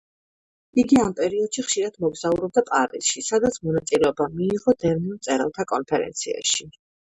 იგი ამ პერიოდში ხშირად მოგზაურობდა პარიზში, სადაც მონაწილეობა მიიღო დევნილ მწერალთა კონფერენციაში.